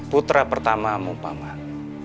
putra pertamamu paman